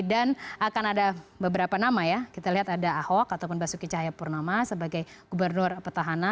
dan akan ada beberapa nama ya kita lihat ada ahok ataupun basuki cahayapurnama sebagai gubernur petahana